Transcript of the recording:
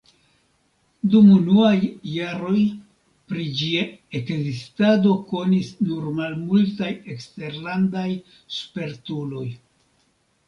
Dum unuaj jaroj pri ĝia ekzistado konis nur malmultaj eksterlandaj spertuloj.